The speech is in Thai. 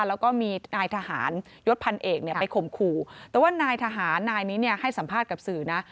แล้วก็มีนายทหารยศพันเอกเนี่ยไปข่มขู่แต่ว่านายทหารนายนี้เนี่ยให้สัมภาษณ์กับสื่อนะ